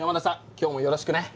今日もよろしくね。